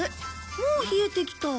もう冷えてきた。